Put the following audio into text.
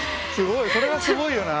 すごい。